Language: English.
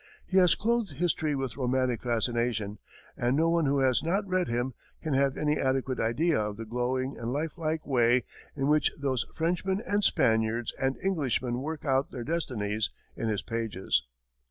He has clothed history with romantic fascination, and no one who has not read him can have any adequate idea of the glowing and life like way in which those Frenchmen and Spaniards and Englishmen work out their destinies in his pages.